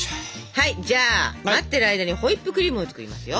はいじゃあ待ってる間にホイップクリームを作りますよ。